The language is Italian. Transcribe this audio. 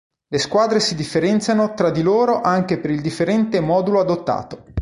Le squadre si differenziano tra di loro anche per il differente modulo adottato.